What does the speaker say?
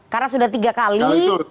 karena sudah tiga kali